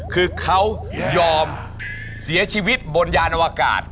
คือเขายอมเสียชีวิตบนยานอวกาศ